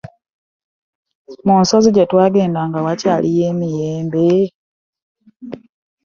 Mu nsozi gye twagendanga wakyaliyo emiyembe?